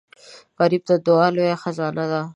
غریب ته دعا لوی خزانه ده